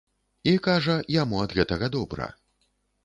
І, кажа, яму ад гэтага добра.